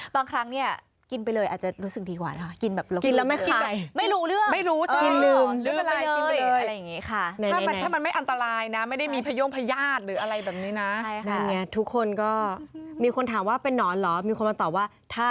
บางครั้งเนี่ยกินไปเลยอาจจะรู้สึกดีกว่านะคะ